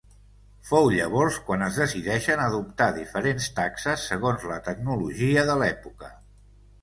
Fou llavors quan es decideixen adoptar diferents taxes segons la tecnologia de l'època.